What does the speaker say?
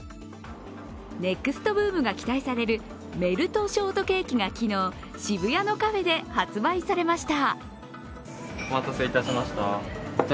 ネクストブームが期待されるメルトショートケーキが昨日、渋谷のカフェで発売されました。